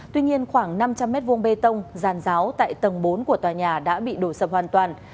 tuy nhiên khoảng năm trăm linh m hai bê tông giàn giáo tại tầng bốn của tòa nhà đã bị đổ sập hoàn toàn